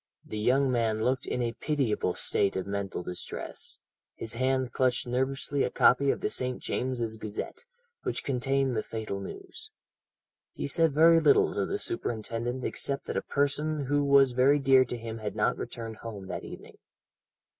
"The young man looked in a pitiable state of mental distress; his hand clutched nervously a copy of the St. James's Gazette, which contained the fatal news. He said very little to the superintendent except that a person who was very dear to him had not returned home that evening.